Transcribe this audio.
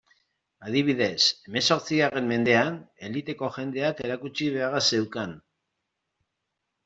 Adibidez, hemezortzigarren mendean, eliteko jendeak erakutsi beharra zeukan.